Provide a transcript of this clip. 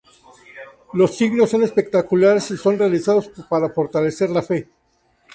Los signos son espectaculares, y son realizados para fortalecer la fe.